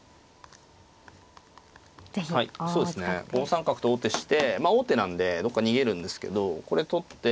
５三角と王手してまあ王手なんでどっか逃げるんですけどこれ取って。